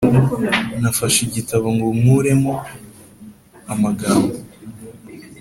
Nafashe igitabo ngo nkuremo amagambo